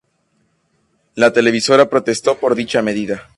La televisora protestó por dicha medida.